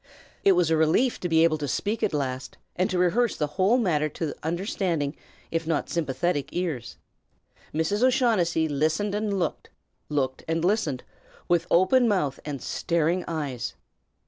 It was a relief to be able to speak at last, and to rehearse the whole matter to understanding, if not sympathetic, ears. Mrs. O'Shaughnessy listened and looked, looked and listened, with open mouth and staring eyes.